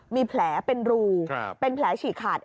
มีแผลเป็นรูเป็นแผลฉีกขาด